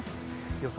予想